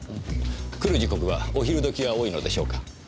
来る時刻はお昼時が多いのでしょうか？